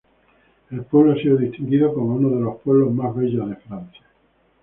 El pueblo ha sido distinguido como uno de Los pueblos más bellos de Francia.